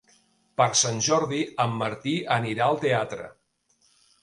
Per Sant Jordi en Martí anirà al teatre.